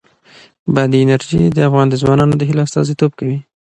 بادي انرژي د افغان ځوانانو د هیلو استازیتوب کوي.